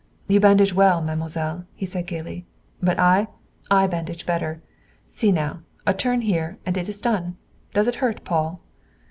"You bandage well, mademoiselle," he said gayly. "But I? I bandage better! See now, a turn here, and it is done! Does it hurt, Paul?"